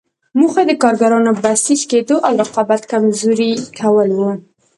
موخه یې د کارګرانو بسیج کېدو او رقابت کمزوري کول وو.